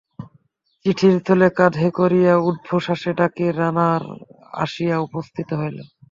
চিঠির থলে কাঁধে করিয়া ঊর্ধ্বশ্বাসে ডাকের রানার আসিয়া উপস্থিত হইল।